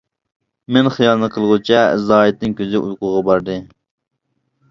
مەن خىيالنى قىلغۇچە زاھىتنىڭ كۆزى ئۇيقۇغا باردى.